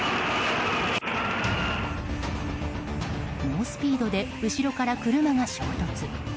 猛スピードで後ろから車が衝突。